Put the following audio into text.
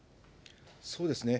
そうですね。